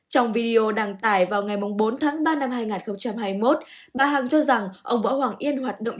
trong video đăng tải vào ngày bốn tháng ba năm hai nghìn hai mươi một bà hằng cho rằng ông võ hoàng yên hoạt động